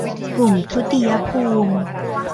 กลุ่มทุติยภูมิ